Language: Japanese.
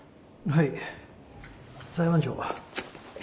はい。